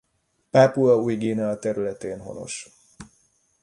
Pápua Új-Guinea területén honos.